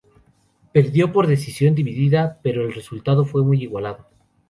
Perdió por decisión dividida, pero el resultado fue muy igualado.